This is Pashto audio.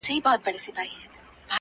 • زما ژوندون د ده له لاسه په عذاب دی,